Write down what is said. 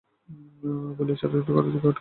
বলিয়া চারুর ঘরের দিকে কটাক্ষ করিল।